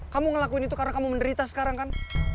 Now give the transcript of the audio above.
kamu ngelakuin itu karena kamu menderita sekarang kan